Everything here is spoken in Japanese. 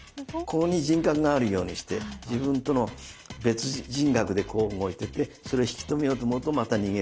ここに人格があるようにして自分との別人格でこう動いててそれを引き止めようと思うとまた逃げる。